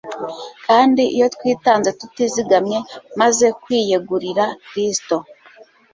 Kandi iyo twitanze tutizigamye, maze kwiyegurira Kristo,